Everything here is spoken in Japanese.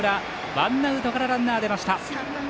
ワンアウトからランナー出ました。